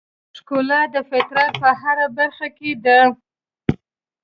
ښکلا د فطرت په هره برخه کې ده.